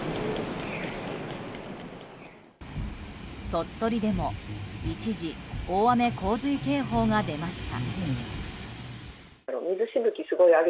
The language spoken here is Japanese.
鳥取でも一時大雨・洪水警報が出ました。